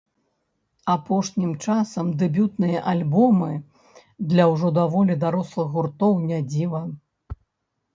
Апошнім часам дэбютныя альбомы для ўжо даволі дарослых гуртоў не дзіва.